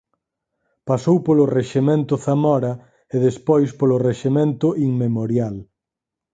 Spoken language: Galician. Pasou polo Rexemento Zamora e despois polo Rexemento Inmemorial.